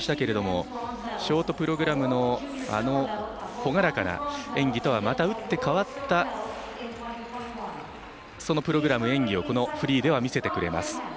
ショートプログラムのあの朗らかな演技とは、また打って変わったそのプログラム演技をこのフリーでは見せてくれます。